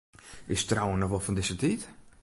Is trouwen noch wol fan dizze tiid?